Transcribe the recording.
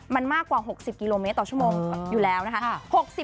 มันมากกว่า๖๐กิโลเมตรต่อชั่วโมงอยู่แล้วนะคะ